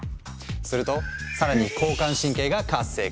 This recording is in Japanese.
すると更に交感神経が活性化。